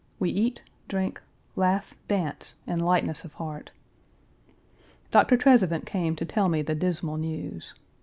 We eat, drink, laugh, dance, in lightness of heart. Doctor Trezevant came to tell me the dismal news.